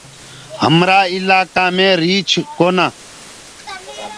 همرآ اِلآئيڪآ مينٚ ريٚڇ ڪونآ۔